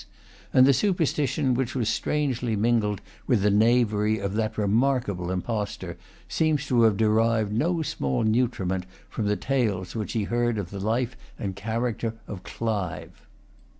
and the superstition which was strangely mingled with the knavery of that remarkable impostor seems to have derived no small nutriment from the tales which he heard of the life and character of Clive.